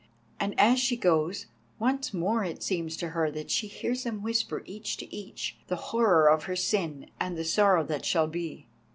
And as she goes, once more it seems to her that she hears them whisper each to each the horror of her sin and the sorrow that shall be.